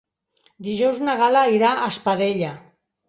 Dijous na Gal·la irà a Espadella.